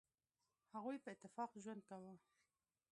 هغوی په اتفاق ژوند کاوه.